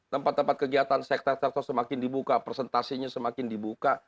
tempat tempat kegiatan sektor sektor semakin dibuka presentasinya semakin dibuka